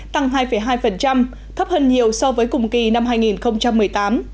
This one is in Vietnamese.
tăng hai hai thấp hơn nhiều so với cùng kỳ năm hai nghìn một mươi tám